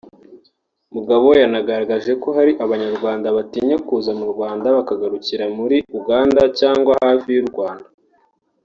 Mugabo yanagaragaje ko hari Abanyarwanda batinya kuza mu Rwanda bakagarukira muri Uganda cyangwa hafi y’u Rwanda